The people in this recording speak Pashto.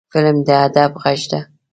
فلم د ادب غږ دی